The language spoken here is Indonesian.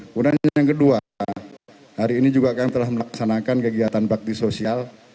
kemudian yang kedua hari ini juga kami telah melaksanakan kegiatan bakti sosial